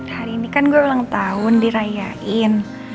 hari ini kan gue ulang tahun dirayain